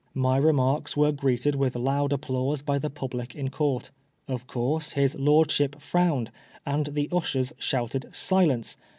My remarks were greeted with loud applause by the public in Court. Of course his lordship frowned, and the ushers shouted "Silence!"